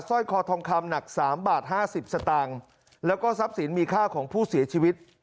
ร้อยคอทองคำหนักสามบาทห้าสิบสตางค์แล้วก็ทรัพย์สินมีค่าของผู้เสียชีวิต